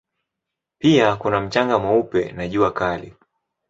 Pia kuna mchanga mweupe na jua kali.